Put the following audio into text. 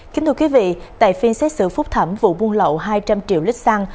kính thưa quý vị tại phiên xét xử phúc thẩm vụ buôn lậu hai trăm linh triệu lít xăng